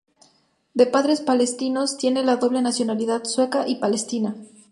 De padres palestinos, tiene la doble nacionalidad sueca y palestina.